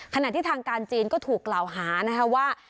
ขณะที่ทางการจีนก็ถูกกล่าวหานะคะว่า